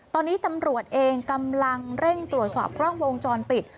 ตอนนี้ตำรวจเองกำลังเร่งตรวจสอบกล้องวงจรปิด